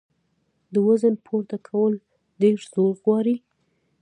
د وزن پورته کول ډېر زور غواړي.